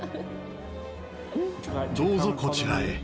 どうぞこちらへ。